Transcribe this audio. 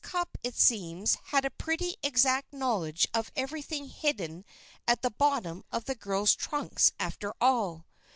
Cupp, it seems, had a pretty exact knowledge of everything hidden at the bottom of the girls' trunks, after all.